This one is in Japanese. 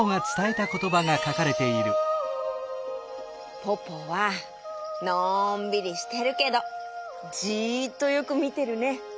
ポポはのんびりしてるけどじっとよくみてるね！